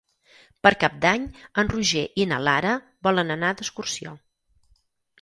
Per Cap d'Any en Roger i na Lara volen anar d'excursió.